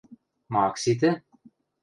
— Ма ак ситӹ?..